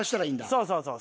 そうそうそう。